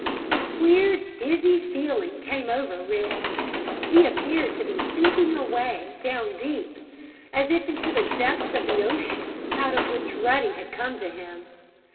A queer, dizzy feeling came over Rick. He appeared to be sinking away down deep as if into the depths of the ocean out of which Ruddy had come to him.